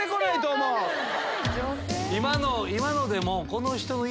今のでも。